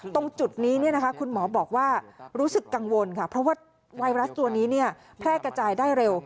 ตรงจุดนี้คุณหมอบอกว่ารู้สึกกังวลค่ะเพราะว่าไวรัสตัวนี้แพร่กระจายได้เร็ว